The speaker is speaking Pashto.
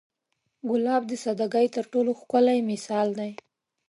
ګلاب د سادګۍ تر ټولو ښکلی مثال دی.